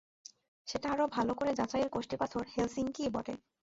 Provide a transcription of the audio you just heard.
সেটা আরও ভালো করে যাচাইয়ের কষ্টিপাথর হেলসিংকিই বটে।